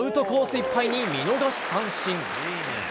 いっぱいに見逃し三振。